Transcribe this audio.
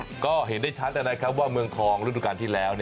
แล้วก็เห็นได้ชัดซะนะครับว่าเมืองทองรถกันที่แล้ว